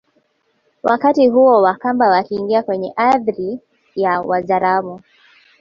Wakati huo Wakamba wakiingia kwenye ardhi ya Wazaramo